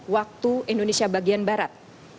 waktu indonesia bagian barat